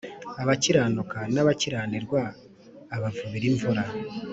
Abakiranuka n abakiranirwa abavubira imvura